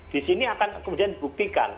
disini akan kemudian dibuktikan